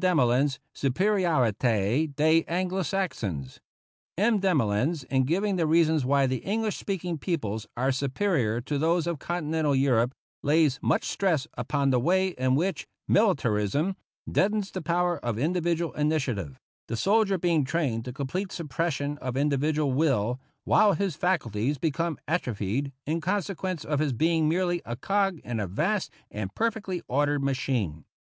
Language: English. Demolins's " Supe riorite des Anglo Saxons." M. Demolins, in giving the reasons why the English speaking peo ples are superior to those of Continental Europe, lays much stress upon the way in which " militar ism " deadens the power of individual initiative, the soldier being trained to complete suppression of individual will, while his faculties become atrophied in consequence of his being merely a cog in a vast and perfectly ordered machine.